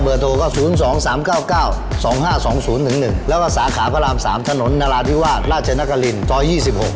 โทรก็๐๒๓๙๙๒๕๒๐๑๑แล้วก็สาขาพระราม๓ถนนนาราธิวาสราชนกรินซอย๒๖